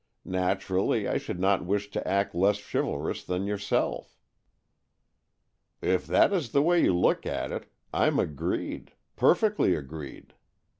Naturally, I should not wish to act less chivalrously than yourself." "If that is the way you look at it, I'm agreed — perfectly agreed.